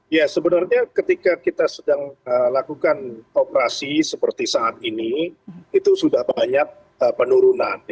ya sebenarnya ketika kita sedang lakukan operasi seperti saat ini itu sudah banyak penurunan